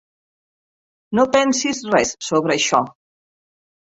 No pensis res sobre això.